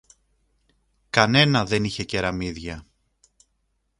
Κανένα δεν είχε κεραμίδια.